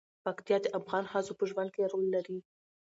پکتیا د افغان ښځو په ژوند کې رول لري.